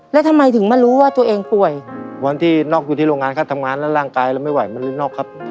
แล้วทำไมถึงมารู้ว่าตัวเองป่วยวันที่น็อกอยู่ที่โรงงานครับทำงานแล้วร่างกายเราไม่ไหวมันนอกครับ